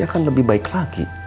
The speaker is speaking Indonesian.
akan lebih baik lagi